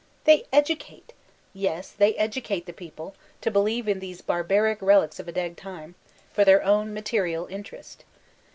Tkey educate! Yes; they educate the people to believe in these barbaric relics of a dead time, — for their awn ma ^ ierial mierest.